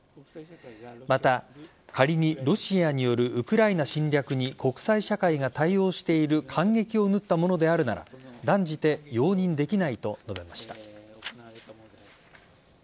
また、仮にロシアによるウクライナ侵略に国際社会が対応している間隙を縫ったものであるなら断じて容認できないと述べました。